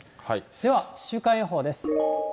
では週間予報です。